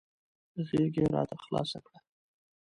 غېږه یې راته خلاصه کړه .